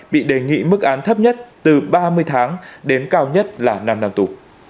bị đề nghị mức án thấp nhất từ ba mươi tháng đến cao nhất là năm năm tù